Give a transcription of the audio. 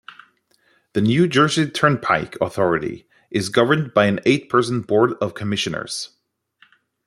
The New Jersey Turnpike Authority is governed by an eight-person Board of Commissioners.